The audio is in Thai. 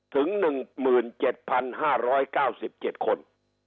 ถึง๑๗๕๙๗คน